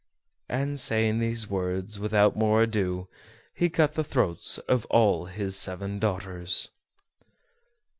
And saying these words, without more ado, he cut the throats of all his seven daughters.